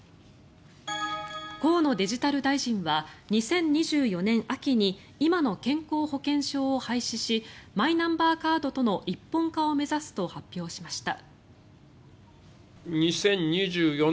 河野デジタル大臣は２０２４年秋に今に健康保険証を廃止しマイナンバーカードとの一本化を目指すと発表しました。